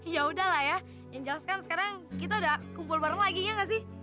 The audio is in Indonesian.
ya udahlah ya yang jelas kan sekarang kita udah kumpul bareng lagi ya gak sih